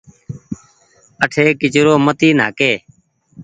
آٺي ڪچرو مت نآهآڪ۔